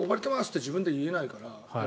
って自分で言えないから。